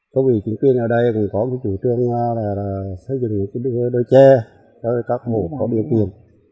có vị chính quyền ở đây cũng có chủ trương xây dựng đôi tre cho các mổ có điều kiện